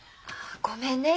ごめんね。